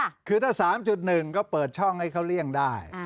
ก็เพราะถ้า๓๑ก็เปิดช่องให้เค้าเรียงได้